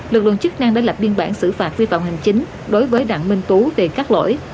lực lượng chức năng đã lập biên bản xử phạt vi phạm hành chính đối với đặng minh tú về các lỗi